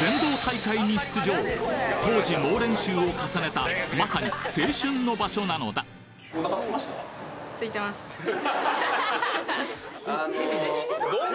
全道大会に出場当時猛練習を重ねたまさに青春の場所なのだハハハ！